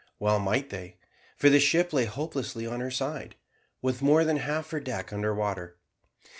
Well might they, for the ship lay hopelessly on her side, with more than half her deck under water.